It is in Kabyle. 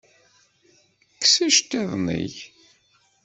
Kkes iceṭṭiḍen-ik!